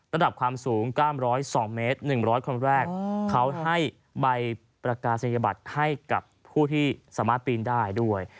ระดับความสูง๙๐๒เมตร๑๐๐คนแรกเขาให้ใบประกาศนียบัตรให้กับผู้ที่สามารถปีนได้ด้วย